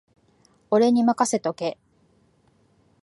俺にまかせとけ